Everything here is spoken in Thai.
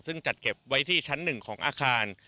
ซึ่งจัดเก็บไว้ที่ชั้น๑ของอาคาร